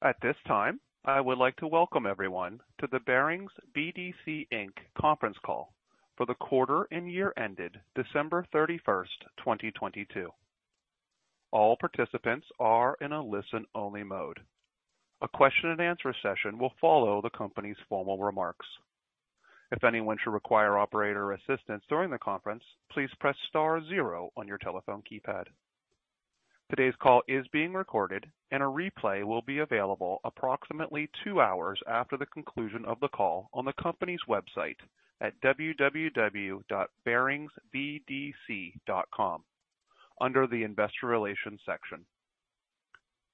At this time, I would like to welcome everyone to the Barings BDC, Inc. conference call for the quarter and year ended December 31st, 2022. All participants are in a listen-only mode. A question and answer session will follow the company's formal remarks. If anyone should require operator assistance during the conference, please press star zero on your telephone keypad. Today's call is being recorded, and a replay will be available approximately two hours after the conclusion of the call on the company's website at www.baringsbdc.com under the Investor Relations section.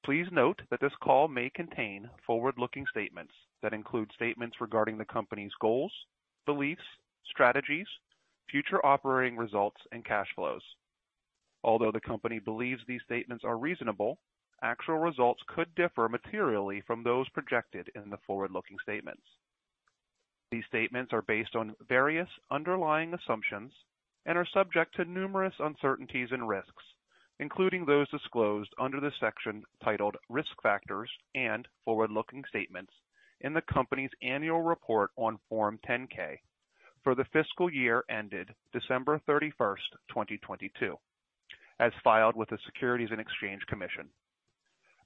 Please note that this call may contain forward-looking statements that include statements regarding the company's goals, beliefs, strategies, future operating results, and cash flows. Although the company believes these statements are reasonable, actual results could differ materially from those projected in the forward-looking statements. These statements are based on various underlying assumptions and are subject to numerous uncertainties and risks, including those disclosed under the section titled Risk Factors and Forward-Looking Statements in the company's annual report on Form 10-K for the fiscal year ended December 31st, 2022, as filed with the Securities and Exchange Commission.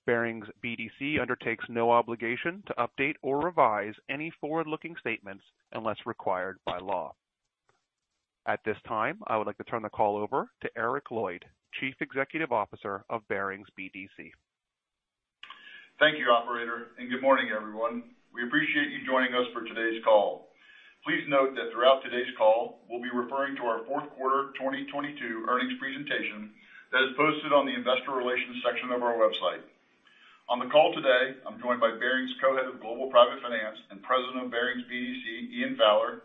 Barings BDC undertakes no obligation to update or revise any forward-looking statements unless required by law. At this time, I would like to turn the call over to Eric Lloyd, Chief Executive Officer of Barings BDC. Thank you, operator, and good morning, everyone. We appreciate you joining us for today's call. Please note that throughout today's call, we'll be referring to our fourth quarter 2022 earnings presentation that is posted on the Investor Relations section of our website. On the call today, I'm joined by Barings Co-Head of Global Private Finance and President of Barings BDC, Ian Fowler,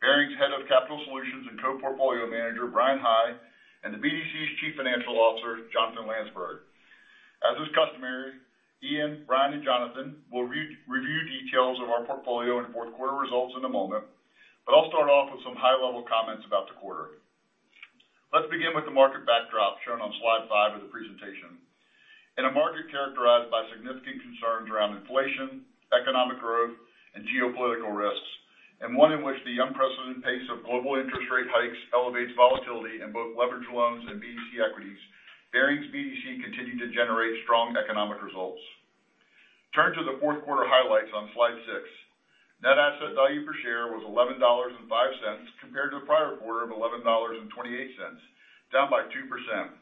Barings Head of Capital Solutions and Co-Portfolio Manager, Bryan High, and the BDC's Chief Financial Officer, Jonathan Landsberg. As is customary, Ian, Bryan, and Jonathan will re-review details of our portfolio and fourth quarter results in a moment, but I'll start off with some high-level comments about the quarter. Let's begin with the market backdrop shown on slide 5 of the presentation. In a market characterized by significant concerns around inflation, economic growth, and geopolitical risks, and one in which the unprecedented pace of global interest rate hikes elevates volatility in both leveraged loans and BDC equities, Barings BDC continued to generate strong economic results. Turn to the fourth quarter highlights on slide six. Net asset value per share was $11.05 compared to the prior quarter of $11.28, down by 2%.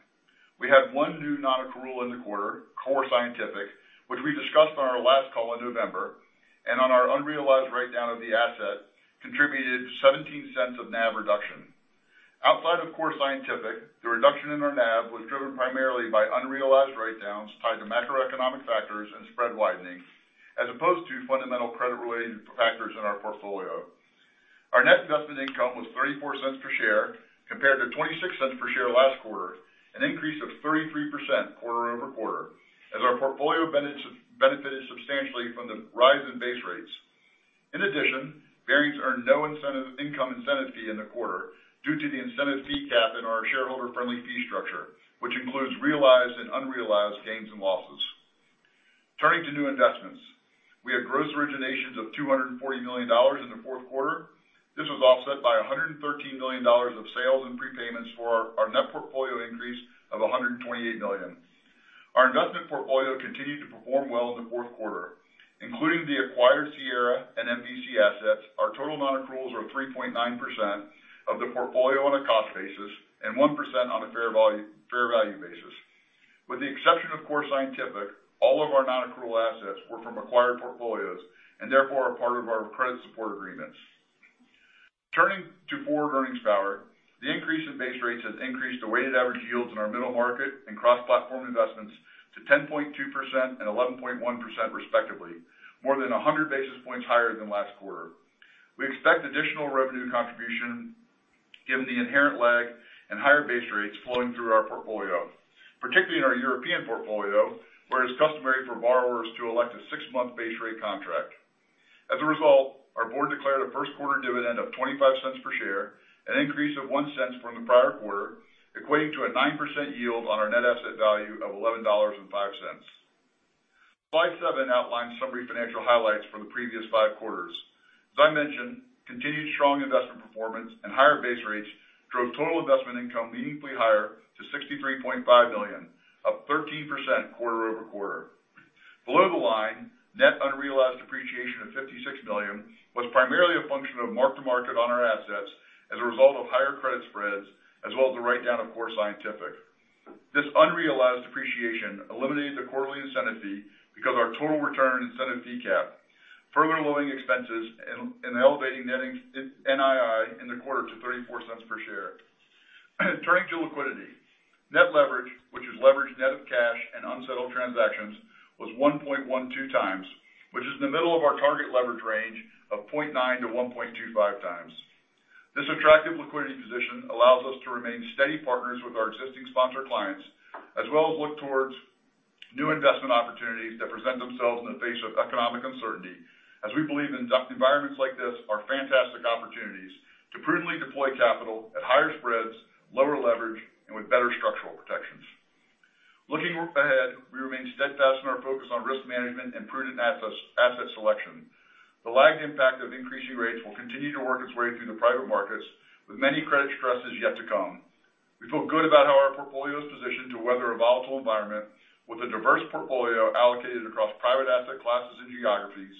We had 1 new non-accrual in the quarter, Core Scientific, which we discussed on our last call in November, and on our unrealized write-down of the asset contributed $0.17 of NAV reduction. Outside of Core Scientific, the reduction in our NAV was driven primarily by unrealized write-downs tied to macroeconomic factors and spread widening, as opposed to fundamental credit-related factors in our portfolio. Our net investment income was $0.34 per share compared to $0.26 per share last quarter, an increase of 33% quarter-over-quarter as our portfolio benefited substantially from the rise in base rates. In addition, Barings earned no incentive income incentive fee in the quarter due to the incentive fee cap in our shareholder-friendly fee structure, which includes realized and unrealized gains and losses. Turning to new investments. We had gross originations of $240 million in the fourth quarter. This was offset by $113 million of sales and prepayments for our net portfolio increase of $128 million. Our investment portfolio continued to perform well in the fourth quarter, including the acquired Sierra and MVC assets. Our total non-accruals are 3.9% of the portfolio on a cost basis and 1% on a fair value basis. With the exception of Core Scientific, all of our non-accrual assets were from acquired portfolios and therefore are part of our credit support agreements. Turning to forward earnings power, the increase in base rates has increased the weighted average yields in our middle market and cross-platform investments to 10.2% and 11.1% respectively, more than 100 basis points higher than last quarter. We expect additional revenue contribution given the inherent lag and higher base rates flowing through our portfolio, particularly in our European portfolio, where it's customary for borrowers to elect a six month base rate contract. Our board declared a 1st quarter dividend of $0.25 per share, an increase of $0.01 from the prior quarter, equating to a 9% yield on our net asset value of $11.05. Slide 7 outlines summary financial highlights for the previous 5 quarters. As I mentioned, continued strong investment performance and higher base rates drove total investment income meaningfully higher to $63.5 million, up 13% quarter-over-quarter. Below the line, net unrealized appreciation of $56 million was primarily a function of mark-to-market on our assets as a result of higher credit spreads as well as the write-down of Core Scientific. This unrealized appreciation eliminated the quarterly incentive fee because our total return incentive fee capped, further lowering expenses and elevating NII in the quarter to $0.34 per share. Turning to liquidity. Net leverage, which is leverage net of cash and unsettled transactions, was 1.12 times, which is in the middle of our target leverage range of 0.9-1.25 times. This attractive liquidity position allows us to remain steady partners with our existing sponsor clients as well as look towards new investment opportunities that present themselves in the face of economic uncertainty, as we believe that environments like this are fantastic opportunities. Deploy capital at higher spreads, lower leverage, and with better structural protections. Looking ahead, we remain steadfast in our focus on risk management and prudent asset selection. The lagged impact of increasing rates will continue to work its way through the private markets with many credit stresses yet to come. We feel good about how our portfolio is positioned to weather a volatile environment with a diverse portfolio allocated across private asset classes and geographies,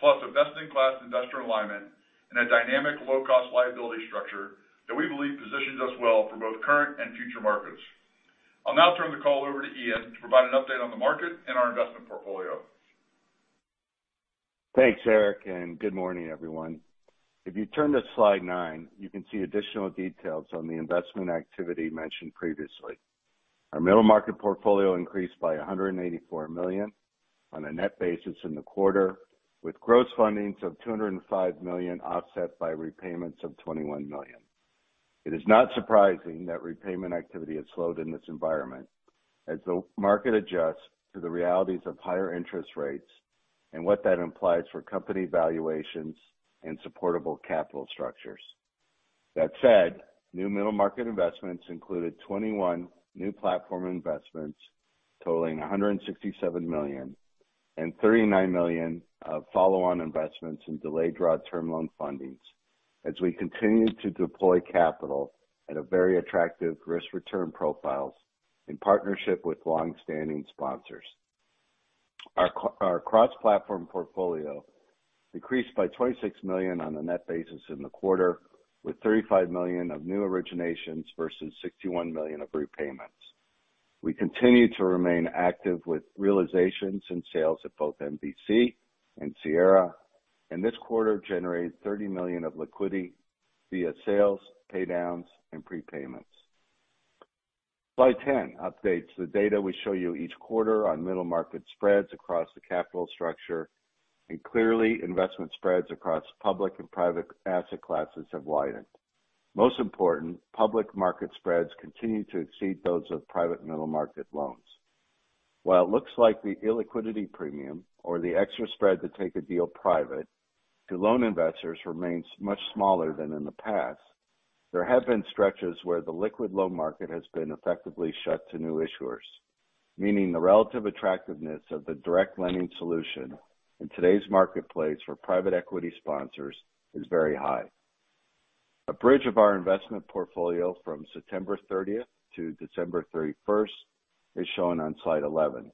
plus a best-in-class investor alignment and a dynamic low-cost liability structure that we believe positions us well for both current and future markets. I'll now turn the call over to Ian to provide an update on the market and our investment portfolio. Thanks, Eric Lloyd. Good morning, everyone. If you turn to slide 9, you can see additional details on the investment activity mentioned previously. Our middle market portfolio increased by $184 million on a net basis in the quarter, with gross fundings of $205 million offset by repayments of $21 million. It is not surprising that repayment activity has slowed in this environment as the market adjusts to the realities of higher interest rates and what that implies for company valuations and supportable capital structures. That said, new middle market investments included 21 new platform investments totaling $167 million and $39 million of follow-on investments in delayed draw term loan fundings, as we continued to deploy capital at very attractive risk-return profiles in partnership with long-standing sponsors. Our cross-platform portfolio decreased by $26 million on a net basis in the quarter, with $35 million of new originations versus $61 million of repayments. We continue to remain active with realizations and sales at both MVC and Sierra, this quarter generated $30 million of liquidity via sales, pay downs, and prepayments. Slide 10 updates the data we show you each quarter on middle market spreads across the capital structure, clearly investment spreads across public and private asset classes have widened. Most important, public market spreads continue to exceed those of private middle market loans. While it looks like the illiquidity premium or the extra spread to take a deal private to loan investors remains much smaller than in the past, there have been stretches where the liquid loan market has been effectively shut to new issuers, meaning the relative attractiveness of the direct lending solution in today's marketplace for private equity sponsors is very high. A bridge of our investment portfolio from September 30th to December 31st is shown on slide 11.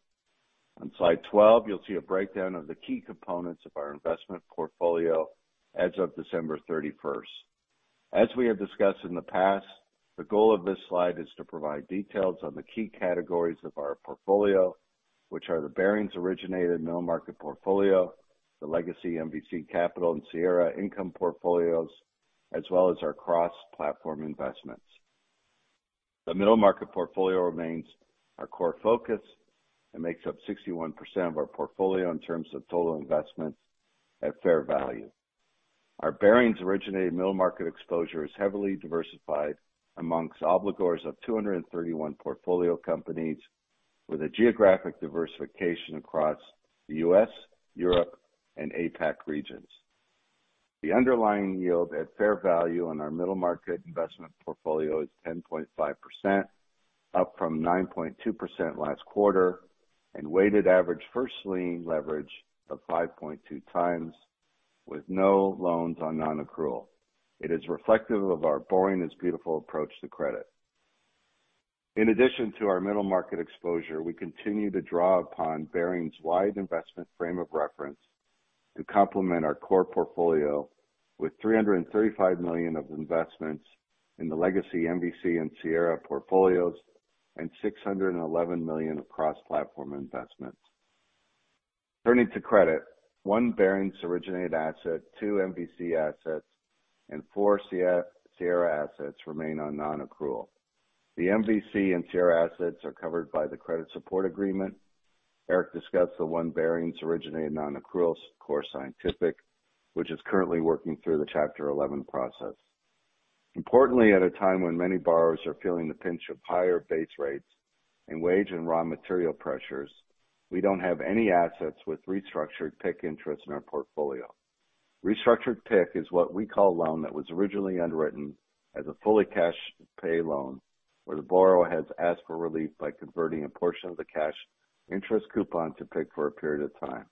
On slide 12, you'll see a breakdown of the key components of our investment portfolio as of December 31st. As we have discussed in the past, the goal of this slide is to provide details on the key categories of our portfolio, which are the Barings originated middle market portfolio, the legacy MVC Capital and Sierra Income portfolios, as well as our cross-platform investments. The middle market portfolio remains our core focus and makes up 61% of our portfolio in terms of total investment at fair value. Our Barings originated middle market exposure is heavily diversified amongst obligors of 231 portfolio companies with a geographic diversification across the U.S., Europe, and APAC regions. The underlying yield at fair value on our middle market investment portfolio is 10.5%, up from 9.2% last quarter, and weighted average first lien leverage of 5.2x with no loans on nonaccrual. It is reflective of our boring is beautiful approach to credit. In addition to our middle market exposure, we continue to draw upon Barings' wide investment frame of reference to complement our core portfolio with $335 million of investments in the legacy MVC and Sierra portfolios and $611 million across platform investments. Turning to credit, one Barings originated asset, two MVC assets, and four Sierra assets remain on nonaccrual. The MVC and Sierra assets are covered by the credit support agreement. Eric discussed the one Barings originated nonaccrual, Core Scientific, which is currently working through the Chapter 11 process. Importantly, at a time when many borrowers are feeling the pinch of higher base rates and wage and raw material pressures, we don't have any assets with restructured PIK interest in our portfolio. Restructured PIK is what we call a loan that was originally underwritten as a fully cash pay loan, where the borrower has asked for relief by converting a portion of the cash interest coupon to PIK for a period of time.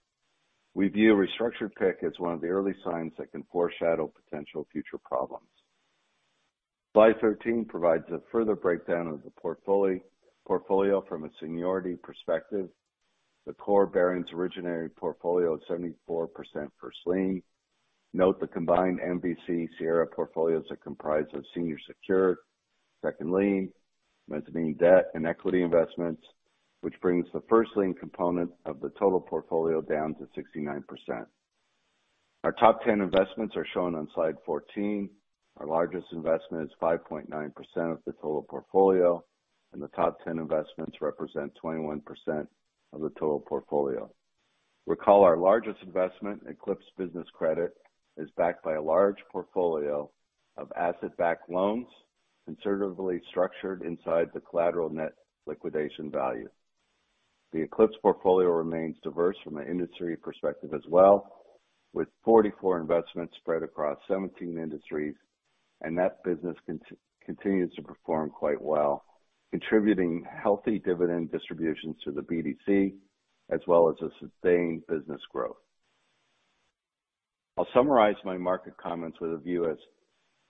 We view restructured PIK as one of the early signs that can foreshadow potential future problems. Slide 13 provides a further breakdown of the portfolio from a seniority perspective. The core Barings originated portfolio is 74% first lien. Note the combined MVC, Sierra portfolios are comprised of senior secured, second lien, mezzanine debt, and equity investments, which brings the first lien component of the total portfolio down to 69%. Our top ten investments are shown on slide 14. Our largest investment is 5.9% of the total portfolio, and the top ten investments represent 21% of the total portfolio. Recall our largest investment, Eclipse Business Capital, is backed by a large portfolio of asset-backed loans conservatively structured inside the collateral net liquidation value. That business continues to perform quite well, contributing healthy dividend distributions to the BDC as well as a sustained business growth. The Eclipse portfolio remains diverse from an industry perspective as well, with 44 investments spread across 17 industries. I'll summarize my market comments with a view as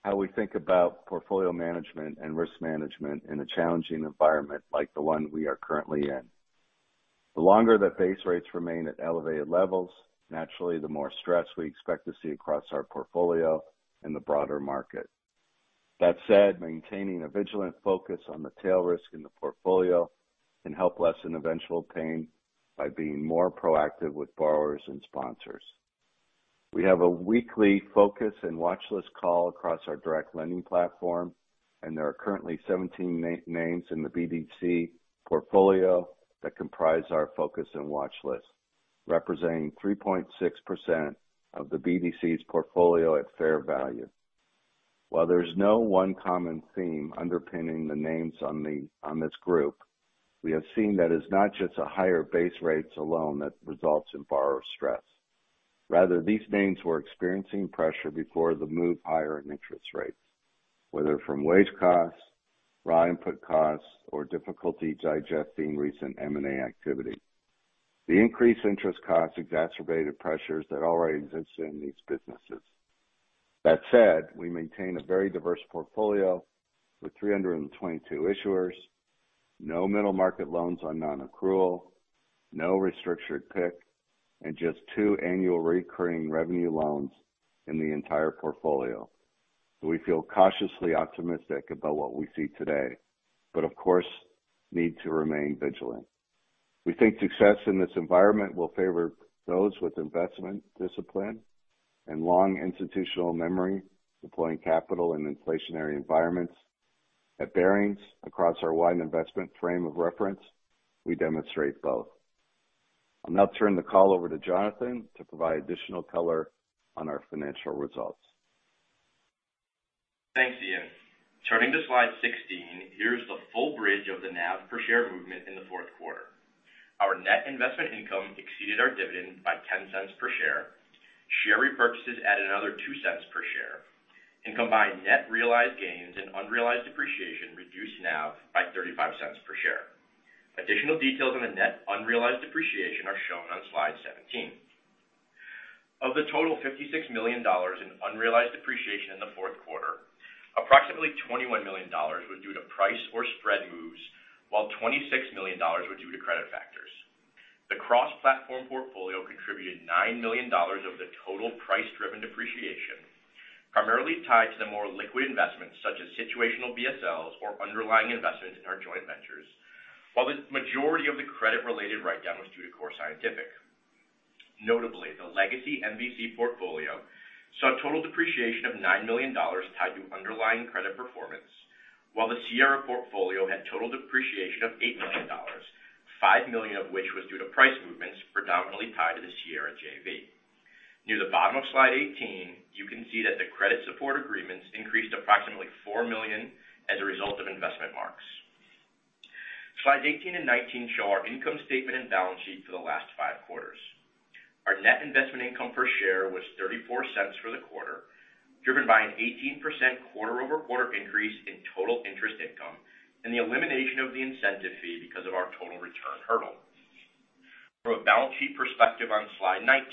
how we think about portfolio management and risk management in a challenging environment like the one we are currently in. The longer that base rates remain at elevated levels, naturally, the more stress we expect to see across our portfolio in the broader market. That said, maintaining a vigilant focus on the tail risk in the portfolio can help lessen eventual pain by being more proactive with borrowers and sponsors. There are currently 17 names in the BDC portfolio that comprise our focus and watchlist, representing 3.6% of the BDC's portfolio at fair value. While there's no one common theme underpinning the names on this group, we have seen that it's not just a higher base rates alone that results in borrower stress. These names were experiencing pressure before the move higher in interest rates, whether from wage costs, raw input costs, or difficulty digesting recent M&A activity. The increased interest costs exacerbated pressures that already existed in these businesses. We maintain a very diverse portfolio with 322 issuers, no middle market loans on non-accrual, no restructured PIK, and just two annual recurring revenue loans in the entire portfolio. We feel cautiously optimistic about what we see today. Of course need to remain vigilant. We think success in this environment will favor those with investment discipline and long institutional memory deploying capital in inflationary environments. At Barings, across our wide investment frame of reference, we demonstrate both. I'll now turn the call over to Jonathan to provide additional color on our financial results. Thanks, Ian. Turning to slide 16, here's the full bridge of the NAV per share movement in the fourth quarter. Our net investment income exceeded our dividend by $0.10 per share. Share repurchases added another $0.02 per share. Combined net realized gains and unrealized depreciation reduced NAV by $0.35 per share. Additional details on the net unrealized depreciation are shown on slide 17. Of the total $56 million in unrealized depreciation in the fourth quarter, approximately $21 million was due to price or spread moves, while $26 million was due to credit factors. The cross-platform portfolio contributed $9 million of the total price-driven depreciation, primarily tied to the more liquid investments such as situational BSLs or underlying investments in our joint ventures. While the majority of the credit-related write-down was due to Core Scientific. Notably, the legacy MVC portfolio saw total depreciation of $9 million tied to underlying credit performance, while the Sierra portfolio had total depreciation of $8 million, $5 million of which was due to price movements predominantly tied to the Sierra JV. Near the bottom of slide 18, you can see that the credit support agreements increased approximately $4 million as a result of investment marks. Slides 18 and 19 show our income statement and balance sheet for the last five quarters. Our net investment income per share was $0.34 for the quarter, driven by an 18% quarter-over-quarter increase in total interest income and the elimination of the incentive fee because of our total return hurdle. From a balance sheet perspective on slide 19,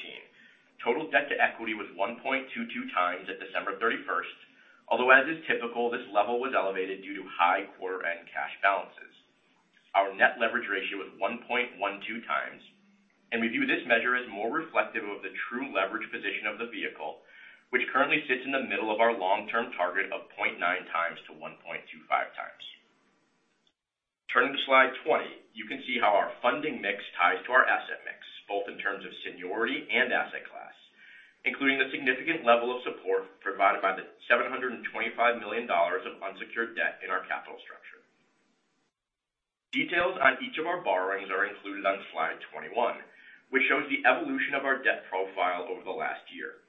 total debt-to-equity was 1.22x at December 31st. Although as is typical, this level was elevated due to high quarter end cash balances. Our net leverage ratio was 1.12 times, and we view this measure as more reflective of the true leverage position of the vehicle, which currently sits in the middle of our long-term target of 0.9 times to 1.25 times. Turning to slide 20, you can see how our funding mix ties to our asset mix, both in terms of seniority and asset class, including the significant level of support provided by the $725 million of unsecured debt in our capital structure. Details on each of our borrowings are included on slide 21, which shows the evolution of our debt profile over the last year.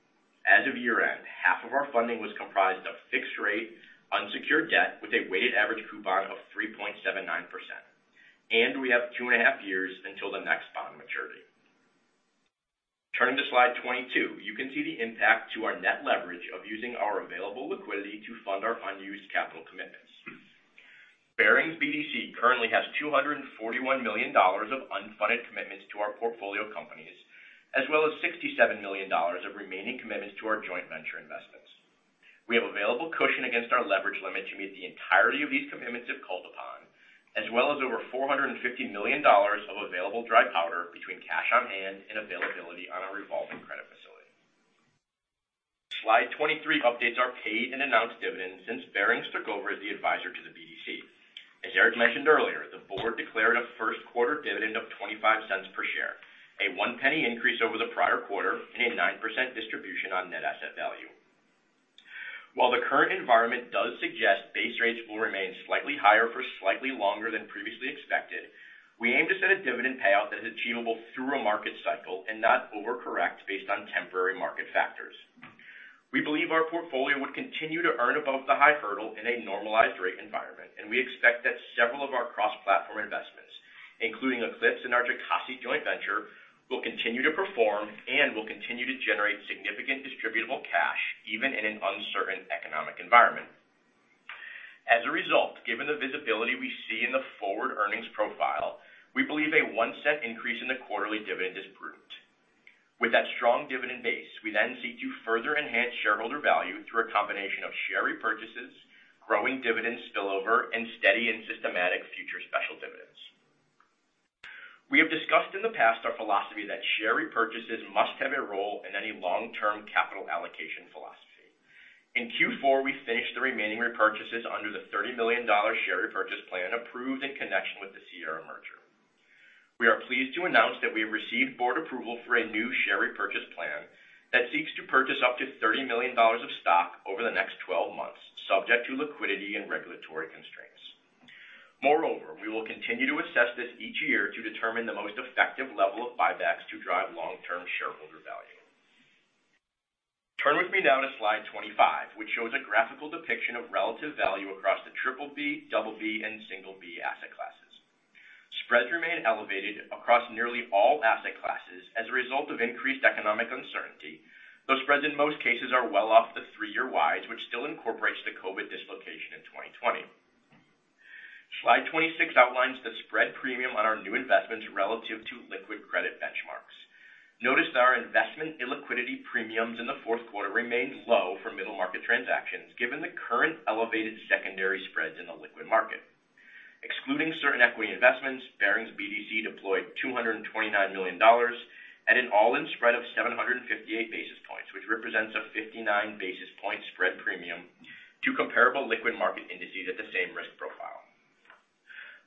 As of year-end, half of our funding was comprised of fixed rate unsecured debt with a weighted average coupon of 3.79%. We have two and a half years until the next bond maturity. Turning to slide 22, you can see the impact to our net leverage of using our available liquidity to fund our unused capital commitments. Barings BDC currently has $241 million of unfunded commitments to our portfolio companies, as well as $67 million of remaining commitments to our joint venture investments. We have available cushion against our leverage limit to meet the entirety of these commitments if called upon, as well as over $450 million of available dry powder between cash on hand and availability on our revolving credit facility. Slide 23 updates our paid and announced dividends since Barings took over as the advisor to the BDC. As Eric mentioned earlier, the board declared a first quarter dividend of $0.25 per share, a $0.01 increase over the prior quarter and a 9% distribution on net asset value. While the current environment does suggest base rates will remain slightly higher for slightly longer than previously expected, we aim to set a dividend payout that is achievable through a market cycle and not overcorrect based on temporary market factors. We believe our portfolio would continue to earn above the high hurdle in a normalized rate environment, and we expect that several of our cross-platform investments, including Eclipse and our Jocassee joint venture, will continue to perform and will continue to generate significant distributable cash even in an uncertain economic environment. As a result, given the visibility we see in the forward earnings profile, we believe a $0.01 increase in the quarterly dividend is prudent. With that strong dividend base, we then seek to further enhance shareholder value through a combination of share repurchases, growing dividend spillover, and steady and systematic future special dividends. We have discussed in the past our philosophy that share repurchases must have a role in any long-term capital allocation philosophy. In Q4, we finished the remaining repurchases under the $30 million share repurchase plan approved in connection with the Sierra merger. We are pleased to announce that we have received board approval for a new share repurchase plan that seeks to purchase up to $30 million of stock over the next 12 months, subject to liquidity and regulatory constraints. Moreover, we will continue to assess this each year to determine the most effective level of buybacks to drive long-term shareholder value. Turn with me now to slide 25, which shows a graphical depiction of relative value across the BBB, BB, and B asset classes. Spreads remain elevated across nearly all asset classes as a result of increased economic uncertainty, though spreads in most cases are well off the three-year wide, which still incorporates the COVID dislocation in 2020. Slide 26 outlines the spread premium on our new investments relative to liquid credit benchmarks. Notice that our investment in liquidity premiums in the fourth quarter remains low for middle market transactions given the current elevated secondary spreads in the liquid market. Excluding certain equity investments, Barings BDC deployed $229 million at an all-in spread of 758 basis points, which represents a 59 basis point spread premium to comparable liquid market indices at the same risk profile.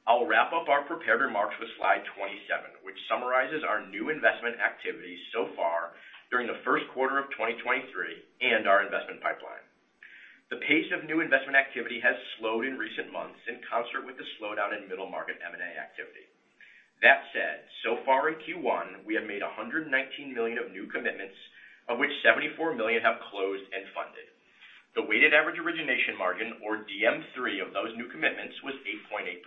I'll wrap up our prepared remarks with slide 27, which summarizes our new investment activities so far during the first quarter of 2023 and our investment pipeline. The pace of new investment activity has slowed in recent months in concert with the slowdown in middle market M&A activity. That said, so far in Q1, we have made $119 million of new commitments, of which $74 million have closed and funded. The weighted average origination margin or DM3 of those new commitments was 8.8%.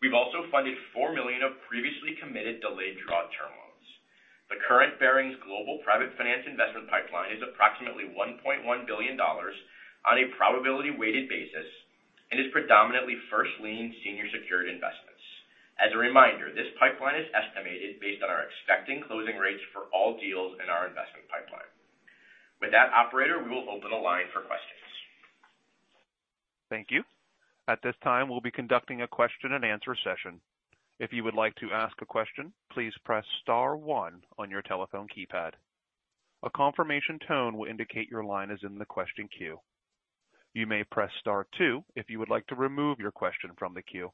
We've also funded $4 million of previously committed delayed draw term loans. The current Barings Global Private Finance investment pipeline is approximately $1.1 billion on a probability weighted basis and is predominantly first lien senior secured investments. As a reminder, this pipeline is estimated based on our expecting closing rates for all deals in our investment pipeline. With that operator, we will open the line for questions. Thank you. At this time, we'll be conducting a question-and-answer session. If you would like to ask a question, please press star one on your telephone keypad. A confirmation tone will indicate your line is in the question queue. You may press star two if you would like to remove your question from the queue.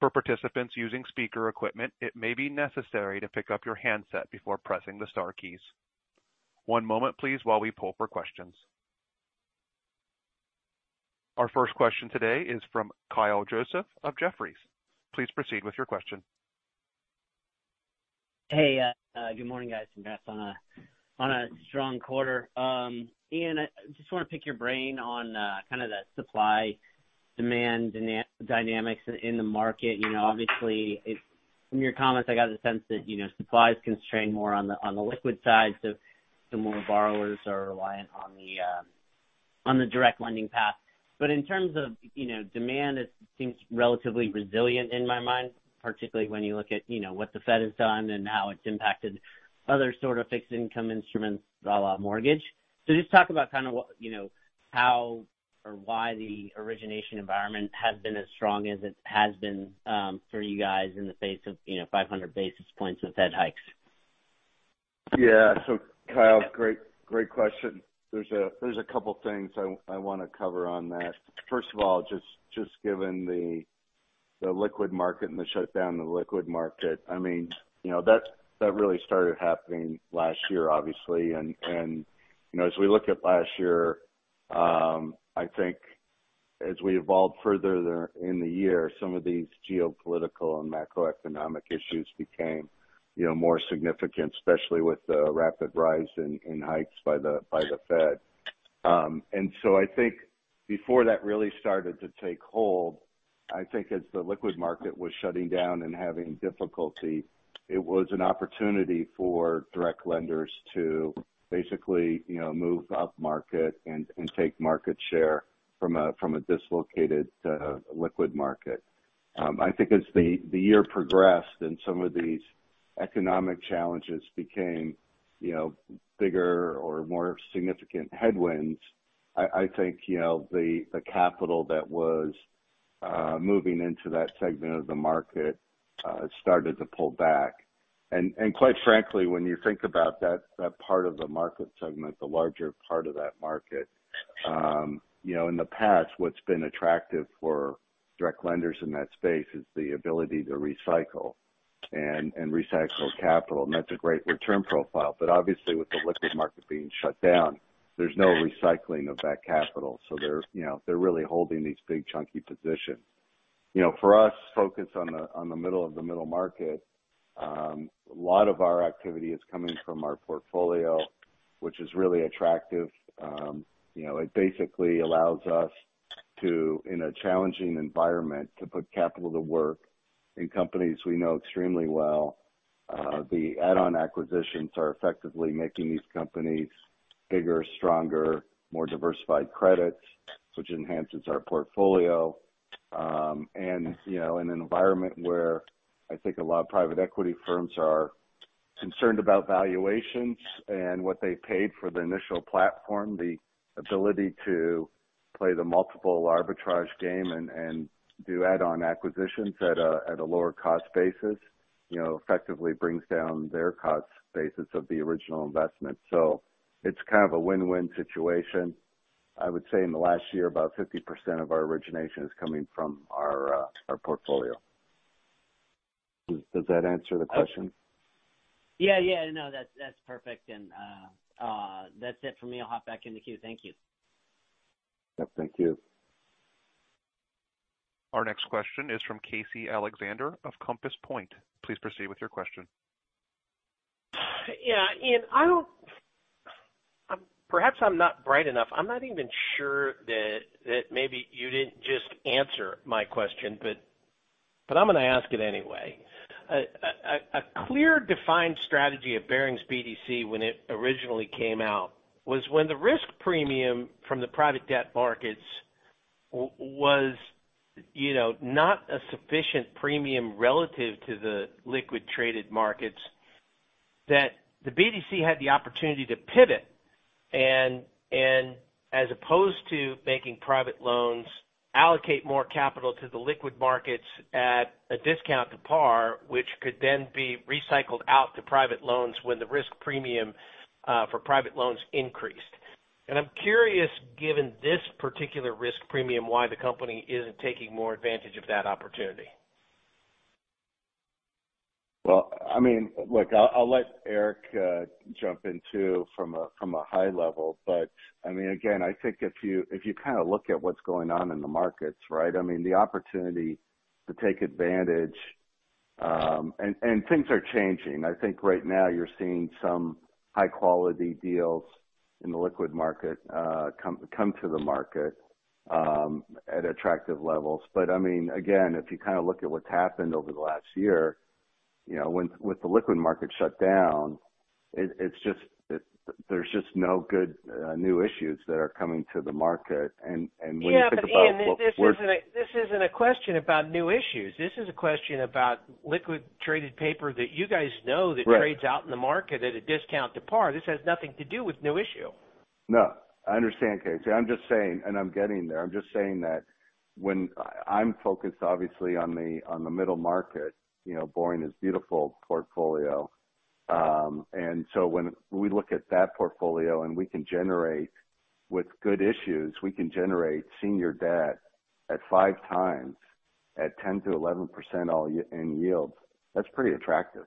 For participants using speaker equipment, it may be necessary to pick up your handset before pressing the star keys. One moment please while we pull for questions. Our first question today is from Kyle Joseph of Jefferies. Please proceed with your question. Good morning, guys. Congrats on a strong quarter. Ian, I just wanna pick your brain on kind of the supply demand dynamics in the market. You know, obviously, from your comments, I got the sense that, you know, supply is constrained more on the liquid side, so the more borrowers are reliant on the direct lending path. In terms of, you know, demand, it seems relatively resilient in my mind, particularly when you look at, you know, what the Fed has done and how it's impacted other sort of fixed income instruments a la mortgage. Just talk about kind of what, you know, how or why the origination environment has been as strong as it has been for you guys in the face of, you know, 500 basis points with Fed hikes. Yeah. Kyle, great question. There's a couple things I wanna cover on that. First of all, just given the liquid market and the shutdown of the liquid market, I mean, you know, that really started happening last year, obviously. You know, as we look at last year, I think as we evolved further there in the year, some of these geopolitical and macroeconomic issues became, you know, more significant, especially with the rapid rise in hikes by the Fed. I think before that really started to take hold, I think as the liquid market was shutting down and having difficulty, it was an opportunity for direct lenders to basically, you know, move upmarket and take market share from a dislocated liquid market. I think as the year progressed and some of these economic challenges became, you know, bigger or more significant headwinds, I think, you know, the capital that was moving into that segment of the market started to pull back. Quite frankly, when you think about that part of the market segment, the larger part of that market, you know, in the past, what's been attractive for direct lenders in that space is the ability to recycle and recycle capital. That's a great return profile. Obviously, with the liquid market being shut down, there's no recycling of that capital. They're, you know, they're really holding these big chunky positions. You know, for us, focus on the middle of the middle market. A lot of our activity is coming from our portfolio, which is really attractive. You know, it basically allows us to, in a challenging environment, to put capital to work in companies we know extremely well. The add-on acquisitions are effectively making these companies bigger, stronger, more diversified credits, which enhances our portfolio. You know, in an environment where I think a lot of private equity firms are concerned about valuations and what they paid for the initial platform, the ability to play the multiple arbitrage game and do add-on acquisitions at a lower cost basis, you know, effectively brings down their cost basis of the original investment. It's kind of a win-win situation. I would say in the last year, about 50% of our origination is coming from our portfolio. Does that answer the question? Yeah. Yeah. No, that's perfect. That's it for me. I'll hop back in the queue. Thank you. Yep. Thank you. Our next question is from Casey Alexander of Compass Point. Please proceed with your question. Yeah. Ian, I don't... perhaps I'm not bright enough. I'm not even sure that maybe you didn't just answer my question, but I'm gonna ask it anyway. A clear defined strategy at Barings BDC when it originally came out was when the risk premium from the private debt markets was, you know, not a sufficient premium relative to the liquid traded markets that the BDC had the opportunity to pivot and as opposed to making private loans, allocate more capital to the liquid markets at a discount to par, which could then be recycled out to private loans when the risk premium for private loans increased. I'm curious, given this particular risk premium, why the company isn't taking more advantage of that opportunity. Well, I mean, look, I'll let Eric jump in too from a, from a high level. I mean, again, I think if you, if you kind of look at what's going on in the markets, right? I mean, the opportunity to take advantage. Things are changing. I think right now you're seeing some high quality deals in the liquid market come to the market at attractive levels. I mean, again, if you kind of look at what's happened over the last year, you know, with the liquid market shut down, there's just no good new issues that are coming to the market. When you think about. Yeah. Ian, this isn't a question about new issues. This is a question about liquid traded paper that you guys know- Right. -that trades out in the market at a discount to par. This has nothing to do with new issue. No, I understand, Casey. I'm just saying. I'm getting there. I'm just saying that when I'm focused, obviously, on the middle market, you know, boring is beautiful portfolio. When we look at that portfolio and we can generate with good issues, we can generate senior debt at 5x at 10%-11% all in yield. That's pretty attractive.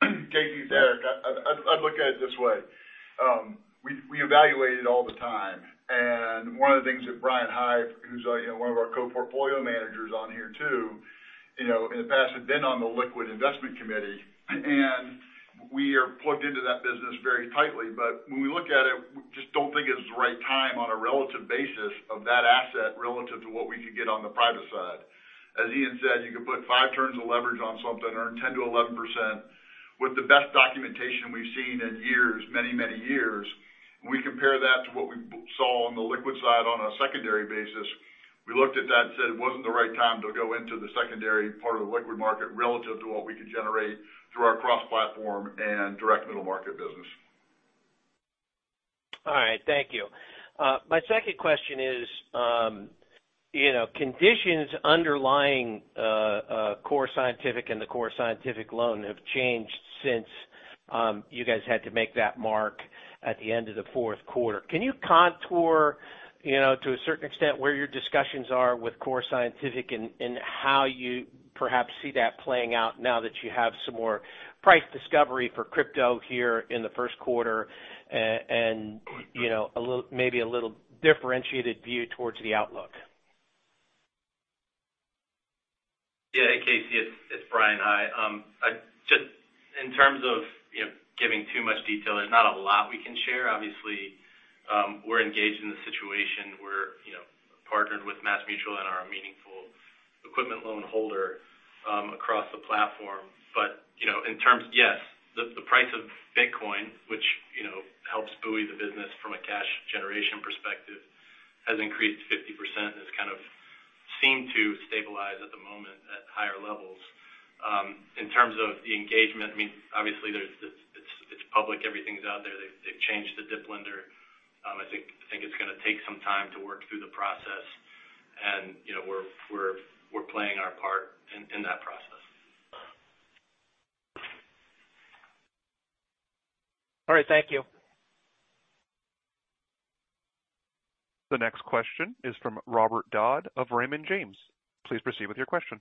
Casey, it's Eric. I'd look at it this way. We evaluate it all the time. One of the things that Bryan High, who's, you know, one of our co-portfolio managers on here too, you know, in the past had been on the liquid investment committee. We are plugged into that business very tightly. When we look at it, we just don't think it's the right time on a relative basis of that asset relative to what we could get on the private side. As Ian said, you could put 5 turns of leverage on something, earn 10%-11% with the best documentation we've seen in years, many, many years. We compare that to what we saw on the liquid side on a secondary basis. We looked at that and said it wasn't the right time to go into the secondary part of the liquid market relative to what we could generate through our cross-platform and direct middle market business. All right. Thank you. My second question is, you know, conditions underlying Core Scientific and the Core Scientific loan have changed since you guys had to make that mark at the end of the fourth quarter. Can you contour, you know, to a certain extent, where your discussions are with Core Scientific and how you perhaps see that playing out now that you have some more price discovery for crypto here in the first quarter, and, you know, maybe a little differentiated view towards the outlook? Yeah. Hey, Casey. It's Bryan High. In terms of, you know, giving too much detail, there's not a lot we can share. Obviously, we're engaged in the situation. We're, you know, partnered with MassMutual and are a meaningful equipment loan holder across the platform. You know, in terms. Yes, the price of Bitcoin, which, you know, helps buoy the business from a cash generation perspective, has increased 50% and has kind of seemed to stabilize at the moment at higher levels. In terms of the engagement, I mean, obviously it's public. Everything's out there. They've changed the DIP lender. I think it's gonna take some time to work through the process. You know, we're playing our part in that process. All right. Thank you. The next question is from Robert Dodd of Raymond James. Please proceed with your question.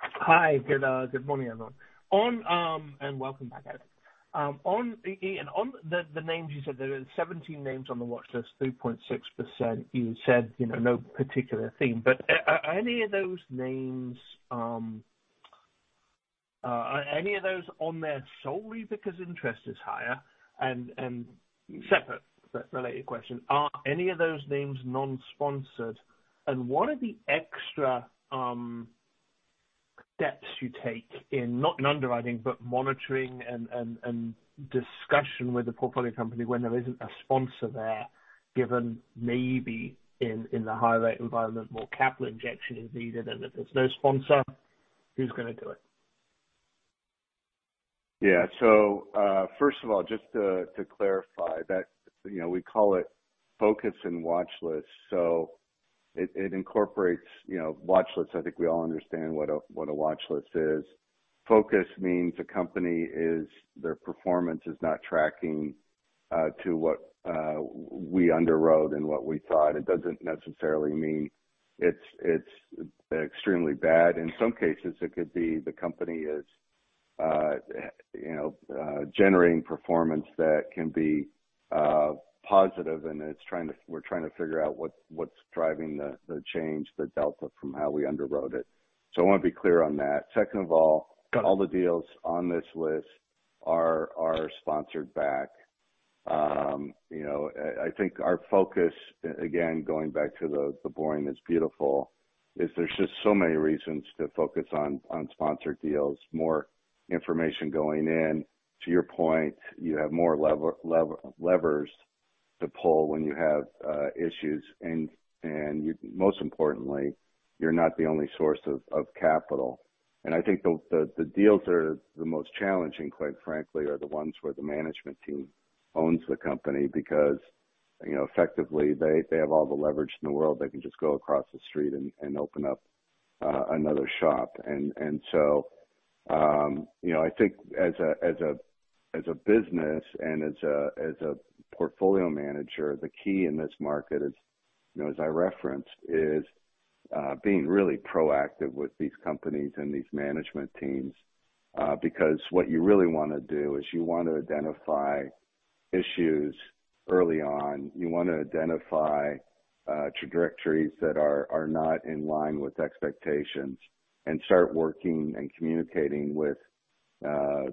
Hi. Good morning, everyone. Welcome back, guys. On, Ian, on the names you said, there are 17 names on the watchlist, 3.6%. You said, you know, no particular theme, any of those names... Are any of those on there solely because interest is higher? Separate but related question, are any of those names non-sponsored? What are the extra steps you take in not in underwriting, but monitoring and discussion with the portfolio company when there isn't a sponsor there, given maybe in the high rate environment, more capital injection is needed, and if there's no sponsor, who's gonna do it? Yeah. First of all, just to clarify that, you know, we call it focus and watchlist. It incorporates, you know, watchlist. I think we all understand what a watchlist is. Focus means a company is their performance is not tracking to what we underwrote and what we thought. It doesn't necessarily mean it's extremely bad. In some cases, it could be the company is, you know, generating performance that can be positive, and we're trying to figure out what's driving the change, the delta from how we underwrote it. I wanna be clear on that. Second of all. Got it. All the deals on this list are sponsored back. You know, I think our focus, again, going back to the boring is beautiful, is there's just so many reasons to focus on sponsored deals, more information going in. To your point, you have more levers to pull when you have issues and you most importantly, you're not the only source of capital. I think the deals that are the most challenging, quite frankly, are the ones where the management team owns the company because, you know, effectively they have all the leverage in the world. They can just go across the street and open up another shop. You know, I think as a business and as a portfolio manager, the key in this market is, you know, as I referenced, is being really proactive with these companies and these management teams, because what you really wanna do is you want to identify issues early on. You wanna identify trajectories that are not in line with expectations and start working and communicating with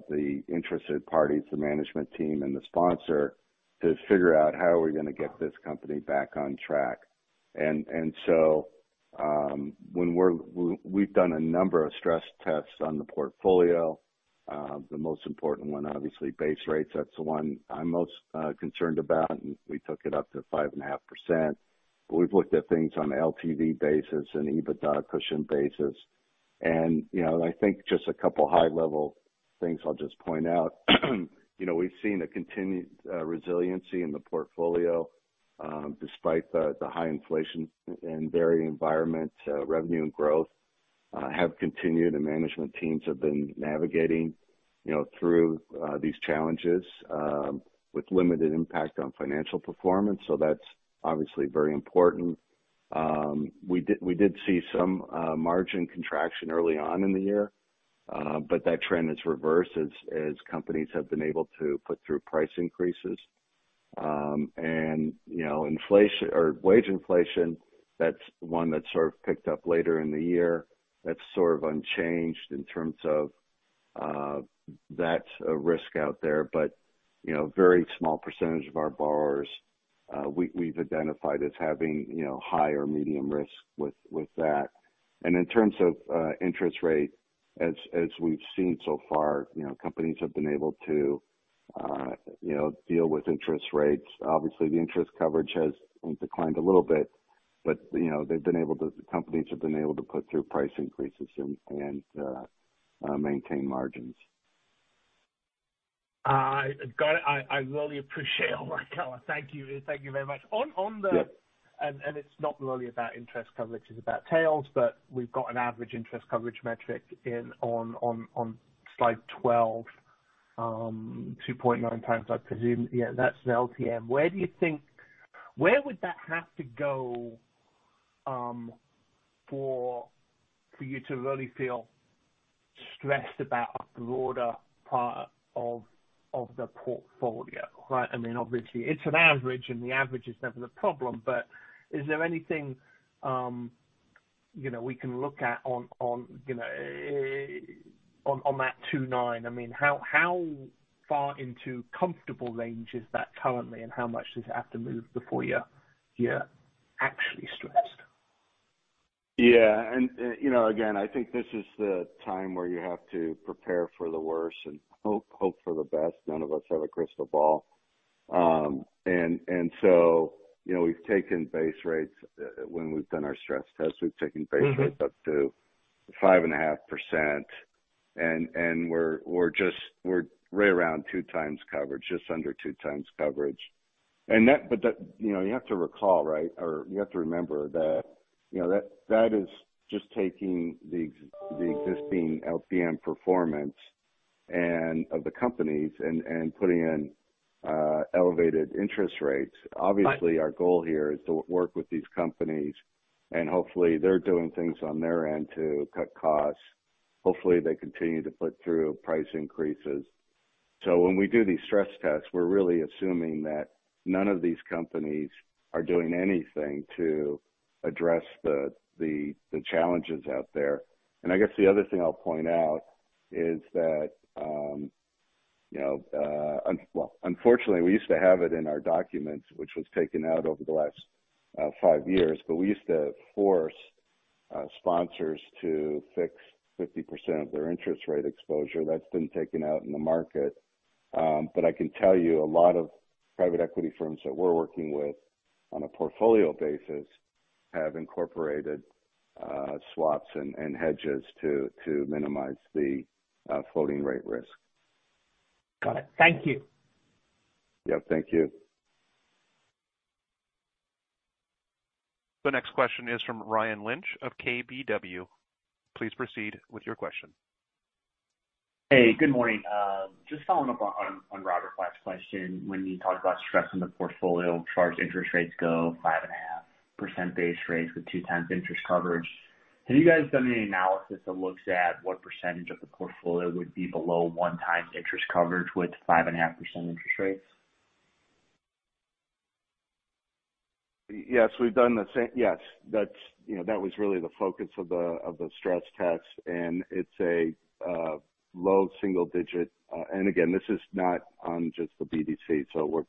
the interested parties, the management team and the sponsor, to figure out how are we gonna get this company back on track. When we've done a number of stress tests on the portfolio. The most important one, obviously base rates, that's the one I'm most concerned about, and we took it up to 5.5%. We've looked at things on LTV basis and EBITDA cushion basis. You know, I think just a couple high-level things I'll just point out. You know, we've seen a continued resiliency in the portfolio, despite the high inflation and varied environment, revenue and growth have continued and management teams have been navigating, you know, through these challenges, with limited impact on financial performance. That's obviously very important. We did see some margin contraction early on in the year, but that trend has reversed as companies have been able to put through price increases. You know, inflation or wage inflation, that's one that sort of picked up later in the year. That's sort of unchanged in terms of that risk out there. You know, a very small percentage of our borrowers, we've identified as having, you know, high or medium risk with that. In terms of interest rate, as we've seen so far, you know, companies have been able to, you know, deal with interest rates. Obviously, the interest coverage has declined a little bit, but, you know, companies have been able to put through price increases and maintain margins. Got it. I really appreciate all that, Colin. Thank you. Thank you very much. On the... It's not really about interest coverage, it's about tails, but we've got an average interest coverage metric in on slide 12. 2.9 times, I presume. Yeah, that's the LTM. Where would that have to go for you to really feel stressed about the broader part of the portfolio, right? I mean, obviously it's an average and the average is never the problem, but is there anything, you know, we can look at, on, you know, on that 2.9? I mean, how far into comfortable range is that currently, and how much does it have to move before you're actually stressed? Yeah. you know, again, I think this is the time where you have to prepare for the worst and hope for the best. None of us have a crystal ball. you know, we've taken base rates when we've done our stress tests, we've taken base rates up to 5.5%. we're right around 2x coverage, just under 2x coverage. you know, you have to recall, right? You have to remember that, you know, that is just taking the existing LTM performance of the companies and putting in elevated interest rates. Obviously, our goal here is to work with these companies and hopefully they're doing things on their end to cut costs. Hopefully, they continue to put through price increases. When we do these stress tests, we're really assuming that none of these companies are doing anything to address the challenges out there. I guess the other thing I'll point out is that, well, unfortunately we used to have it in our documents which was taken out over the last five years, we used to force sponsors to fix 50% of their interest rate exposure that's been taken out in the market. I can tell you a lot of private equity firms that we're working with on a portfolio basis have incorporated swaps and hedges to minimize the floating rate risk. Got it. Thank you. Yep. Thank you. The next question is from Ryan Lynch of KBW. Please proceed with your question. Hey, good morning. Just following up on Robert Dodd's question. When you talk about stressing the portfolio charge interest rates go 5.5% base rates with 2x interest coverage. Have you guys done any analysis that looks at what percentage of the portfolio would be below 1x interest coverage with 5.5% interest rates? Yes, we've done the same... Yes. That's, you know, that was really the focus of the stress test, and it's a low single digit. Again, this is not on just the BDC, so we're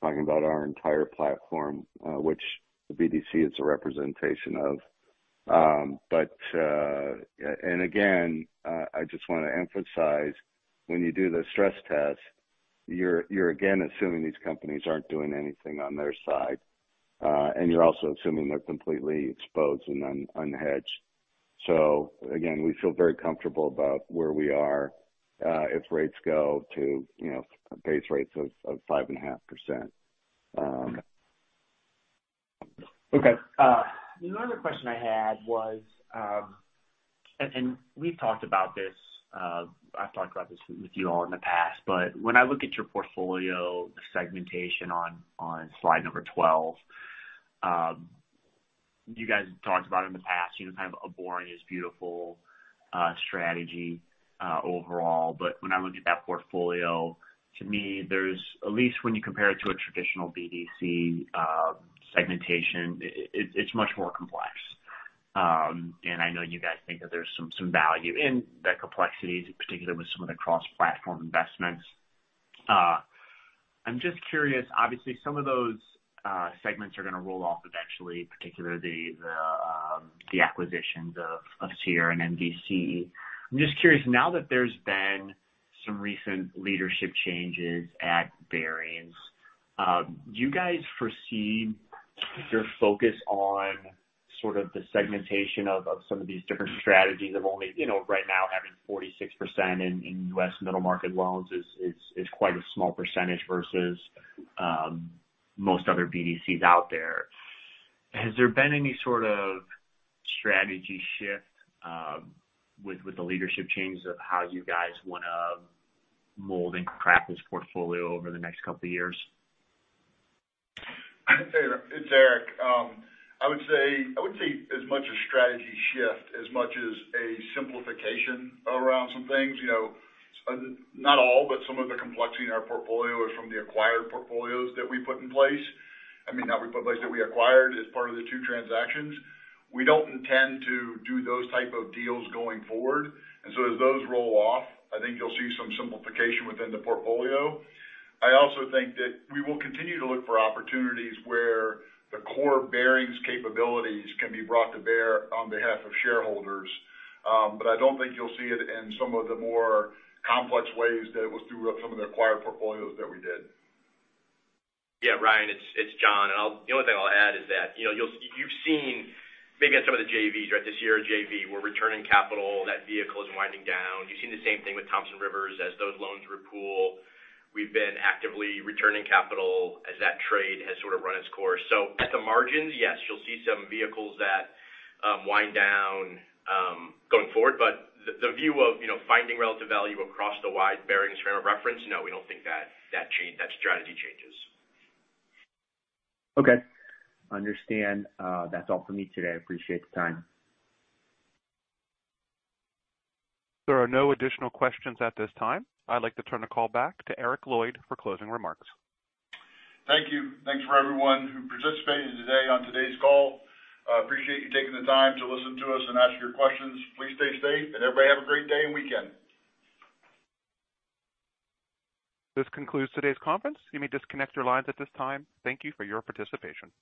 talking about our entire platform, which the BDC is a representation of. Again, I just wanna emphasize, when you do the stress test, you're again assuming these companies aren't doing anything on their side, and you're also assuming they're completely exposed and unhedged. Again, we feel very comfortable about where we are, if rates go to, you know, base rates of 5.5%. Okay. The other question I had was, and we've talked about this, I've talked about this with you all in the past. When I look at your portfolio segmentation on slide number 12, you guys talked about in the past, you know, kind of a boring is beautiful strategy overall. When I look at that portfolio, to me there's at least when you compare it to a traditional BDC segmentation, it's much more complex. I know you guys think that there's some value in that complexity, particularly with some of the cross-platform investments. I'm just curious. Obviously, some of those segments are gonna roll off eventually, particularly the acquisitions of Sierra and MVC. I'm just curious, now that there's been some recent leadership changes at Barings, do you guys foresee your focus on sort of the segmentation of some of these different strategies of only, you know, right now having 46% in US middle market loans is quite a small percentage versus, most other BDCs out there. Has there been any sort of strategy shift, with the leadership changes of how you guys wanna mold and craft this portfolio over the next couple of years? It's Eric. I would say, I wouldn't say as much a strategy shift as much as a simplification around some things. You know, not all, but some of the complexity in our portfolio is from the acquired portfolios that we put in place. I mean, not we put in place, that we acquired as part of the two transactions. We don't intend to do those type of deals going forward. As those roll off, I think you'll see some simplification within the portfolio. I also think that we will continue to look for opportunities where the core Barings capabilities can be brought to bear on behalf of shareholders. I don't think you'll see it in some of the more complex ways that it was through some of the acquired portfolios that we did. Yeah, Ryan, it's John. The only thing I'll add is that, you know, you've seen maybe on some of the JVs, right? This year's JV, we're returning capital. That vehicle is winding down. You've seen the same thing with Thompson Rivers. As those loans repool, we've been actively returning capital as that trade has sort of run its course. At the margins, yes, you'll see some vehicles that wind down going forward. The view of, you know, finding relative value across the wide Barings frame of reference, no, we don't think that change, that strategy changes. Okay. Understand. That's all for me today. I appreciate the time. There are no additional questions at this time. I'd like to turn the call back to Eric Lloyd for closing remarks. Thank you. Thanks for everyone who participated today on today's call. Appreciate you taking the time to listen to us and ask your questions. Please stay safe and everybody have a great day and weekend. This concludes today's conference. You may disconnect your lines at this time. Thank you for your participation.